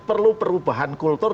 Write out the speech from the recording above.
perlu perubahan kultur